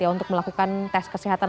untuk melakukan tes kesehatan